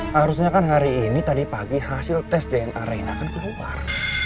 harusnya kan hari ini tadi pagi hasil test dna reina kan keluar